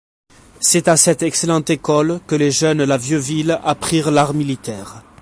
C'est à cette excellente école que les jeunes La Vieuville apprirent l'art militaire.